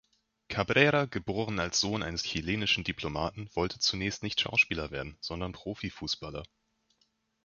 Cabrera, geboren als Sohn eines chilenischen Diplomaten, wollte zunächst nicht Schauspieler werden, sondern Profifußballer.